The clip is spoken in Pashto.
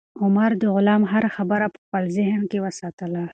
عمر د غلام هره خبره په خپل ذهن کې وساتله.